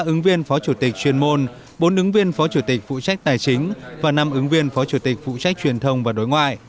ba ứng viên phó chủ tịch chuyên môn bốn ứng viên phó chủ tịch phụ trách tài chính và năm ứng viên phó chủ tịch phụ trách truyền thông và đối ngoại